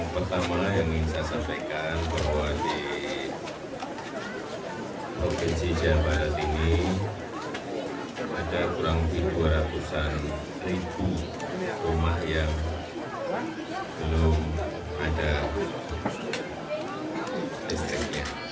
pemasangan listrik gratis di kelurahan bantarjati kota bogor jawa barat